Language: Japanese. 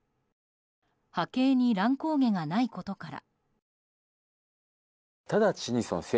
波形に乱高下がないことから。